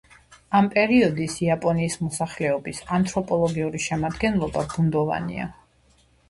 ამ პერიოდის იაპონიის მოსახლეობის ანთროპოლოგიური შემადგენლობა ბუნდოვანია.